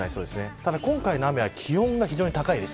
ただ、今回の雨は気温が非常に高いです。